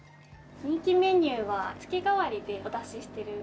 人気メニューは月替わりでお出ししているパフェ。